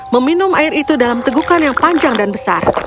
meminum air itu dalam tegukan yang panjang dan besar